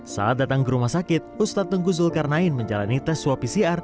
saat datang ke rumah sakit ustadz tengku zulkarnain menjalani tes swab pcr